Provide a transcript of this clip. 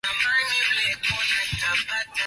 miundo hii inatumika nje ya programu ya magazeti